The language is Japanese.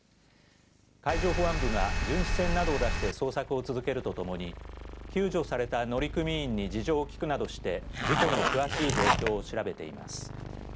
海上保安部が巡視船などを出して捜索を続けるとともに救助された乗組員に事情を聞くなどして事故の詳しい状況を調べています。